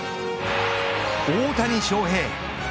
大谷翔平